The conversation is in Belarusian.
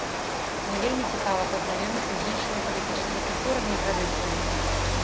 Мне вельмі цікава пазнаёміцца з іншымі палітычнымі культурамі і традыцыямі.